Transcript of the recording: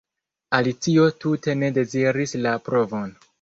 Alicio tute ne deziris la provon.